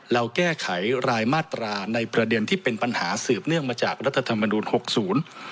เราแก้ไขรายมาตราในประเด็นที่เป็นปัญหาสืบเนื่องมาจากรัฐธรรมนูลหกศูนย์